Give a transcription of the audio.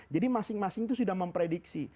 jadi masing masing itu sudah memprediksi